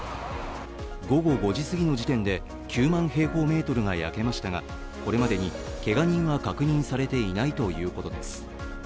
午後５時すぎの時点で９万平方メートルが焼けましたがこれまでにけが人は確認されていないということです。